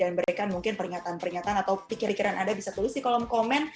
dan berikan mungkin pernyataan pernyataan atau pikiran pikiran anda bisa tulis di kolom komen